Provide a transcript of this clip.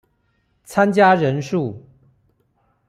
參加人數